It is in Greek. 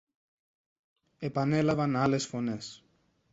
επανέλαβαν άλλες φωνές.